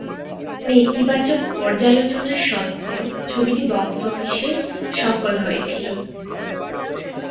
নেতিবাচক পর্যালোচনা সত্ত্বেও ছবিটি বক্স অফিসে সফল হয়েছিল।